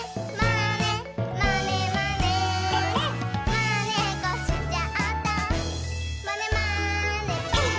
「まねっこしちゃったまねまねぽん！」